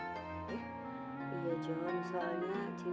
iya jalan soalnya cinan sama radul juga pulang juga